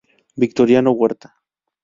Victoriano Huerta.